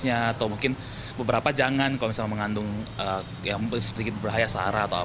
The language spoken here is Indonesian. atau mungkin beberapa jangan kalau misalnya mengandung yang sedikit beraya searah